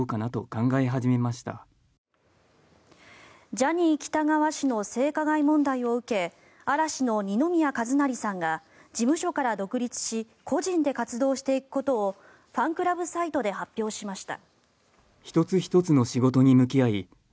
ジャニー喜多川氏の性加害問題を受け嵐の二宮和也さんが事務所から独立し個人で活動していくことをファンクラブサイトで発表しました。